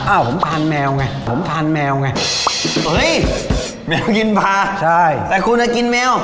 อ้าวผมทานแมวไงผมทานแมวไงเฮ้ยแมวกินพาใช่แต่คุณอ่ะกินแมว